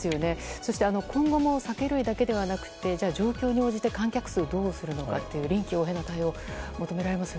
そして今後も酒類だけではなくて状況に応じて観客数をどうするのかという臨機応変な対応も求められますよね。